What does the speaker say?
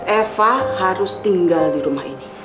eva harus tinggal di rumah ini